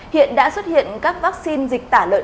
hiện đã xuất hiện các vaccine dịch tả lợn